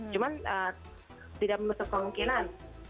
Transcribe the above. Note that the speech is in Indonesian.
cuman tidak menutup kemungkinan